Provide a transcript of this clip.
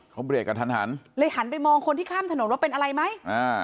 เขาเบรกกันทันหันเลยหันไปมองคนที่ข้ามถนนว่าเป็นอะไรไหมอ่า